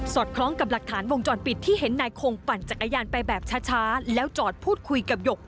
คล้องกับหลักฐานวงจรปิดที่เห็นนายคงปั่นจักรยานไปแบบช้าแล้วจอดพูดคุยกับหยก